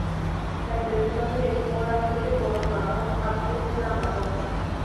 La impresión de esporas es de color marrón a púrpura-marrón.